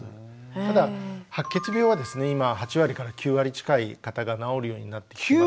ただ白血病はですね今は８割から９割近い方が治るようになってきています。